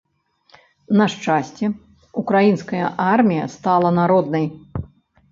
На шчасце, украінская армія стала народнай.